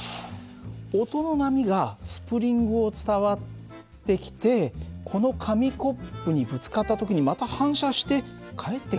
音の波がスプリングを伝わってきてこの紙コップにぶつかった時にまた反射して返っていくんだね。